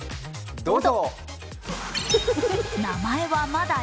どうぞ！